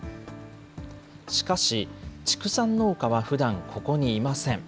しかし、畜産農家はふだん、ここにいません。